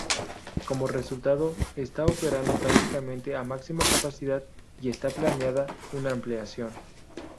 Como resultado, está operando prácticamente a máxima capacidad y está planeada una ampliación.